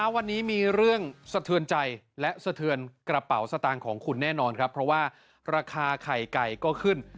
วันนี้มีเรื่องสะเทือนใจและสะเทือนกระเป๋าสตางค์ของคุณแน่นอนครับเพราะว่าราคาไข่ไก่ก็ขึ้น